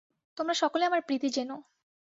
তোমরা সকলে আমার প্রীতি জেনো।